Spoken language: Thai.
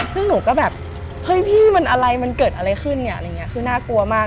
ซึ่งหนูก็แบบเฮ้ยพี่มันอะไรมันเกิดอะไรขึ้นเนี่ยอะไรอย่างนี้คือน่ากลัวมาก